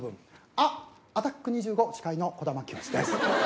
「あ」『アタック２５』司会の児玉清です。